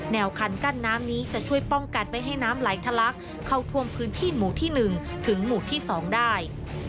คันกั้นน้ำนี้จะช่วยป้องกันไม่ให้น้ำไหลทะลักเข้าท่วมพื้นที่หมู่ที่๑ถึงหมู่ที่๒ได้